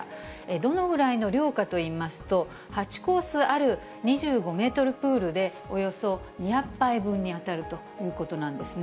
どのぐらいの量かといいますと、８コースある２５メートルプールで、およそ２００杯分に当たるということなんですね。